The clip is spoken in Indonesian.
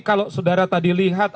kalau saudara tadi lihat